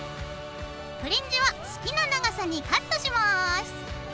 フリンジは好きな長さにカットします。